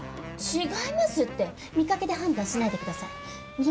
違いますって見かけで判断しないでください仁